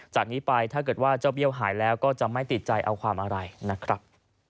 จากนี้ไปถ้าเกิดว่าเจ้าเบี้ยวหายแล้วก็จะไม่ติดใจเอาความอะไรนะครับ